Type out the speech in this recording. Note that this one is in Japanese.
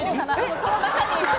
この中にいます。